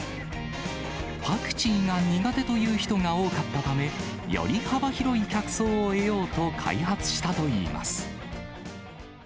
パクチーが苦手という人が多かったため、より幅広い客層を得ようと開発したといいます。